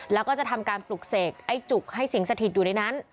แล้วก็จะทำการปลุกเสกไอ้จุกให้สิงสถิตอยู่ในนั้น